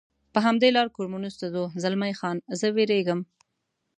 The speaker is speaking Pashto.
پر همدې لار کورمونز ته ځو، زلمی خان: زه وېرېږم.